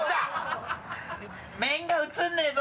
面が映んねぇぞ！